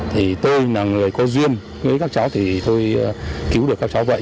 thì tôi là người có duyên với các cháu thì tôi cứu được các cháu vậy